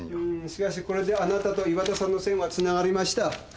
しかしこれであなたと岩田さんの線はつながりました。